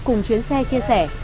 cùng chuyến xe chia sẻ